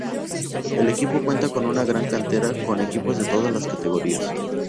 El equipo cuenta con una gran cantera, con equipos en todas las categorías.